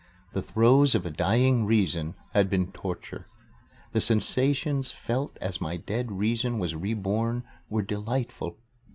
The throes of a dying Reason had been torture. The sensations felt as my dead Reason was reborn were delightful.